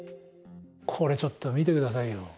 これちょっと見てくださいよ。